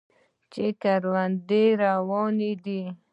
چې ګړندی روان دی.